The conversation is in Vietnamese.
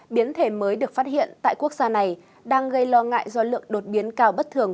biến thể mới được phát hiện tại quốc gia này đang gây lo ngại do lượng đột biến cao bất thường